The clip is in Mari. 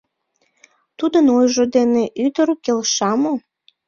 Тудын ойжо дене ӱдыр келша мо?